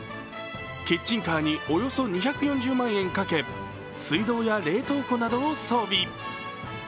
キッチンカーにおよそ２４０万円かけ水道や冷凍庫などを装備。